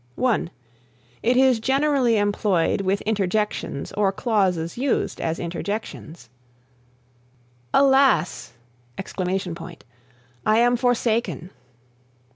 (1) It is generally employed with interjections or clauses used as interjections: "Alas! I am forsaken."